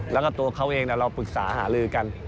แล้วก็ตัวเขาเองเราปรึกษาหาลือกัน